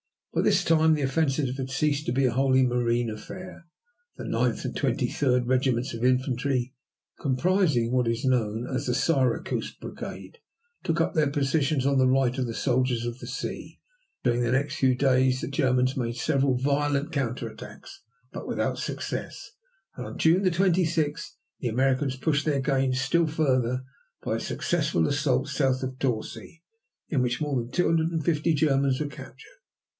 By this time the offensive had ceased to be wholly a marine affair. The 9th and 23d Regiments of infantry, comprising what is known as the Syracuse Brigade, took up their positions on the right of the soldiers of the sea. During the next few days the Germans made several violent counter attacks, but without success, and on June 26 the Americans pushed their gains still further by a successful assault south of Torcy, in which more than 250 Germans were captured.